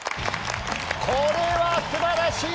これはすばらしい！